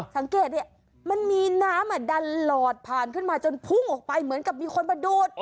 สังเกตดิมันมีน้ำดันหลอดผ่านขึ้นมาจนพุ่งออกไปเหมือนกับมีคนมาดูด